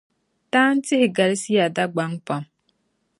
Taan' tihi galisiya Dagbaŋ pam.